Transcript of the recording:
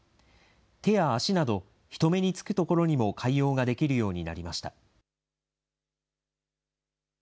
手や足など、人目につく所にも潰瘍ができるようになりました。